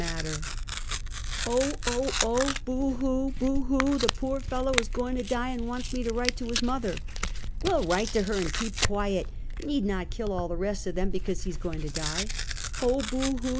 334: Half a Century. "Oh! oh! oh! Boo hoo! boo hoo! the poor fellow is goin' to die an' wants me to write to his mother." ""Well, write to her and keep quiet! you need not kill all the rest of them because he is going to die." "Oh! boo hoo!